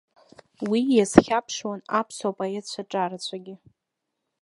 Уи иазхьаԥшуан аԥсуа поетцәа ҿарацәагьы.